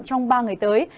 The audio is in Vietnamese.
trong ba ngày tới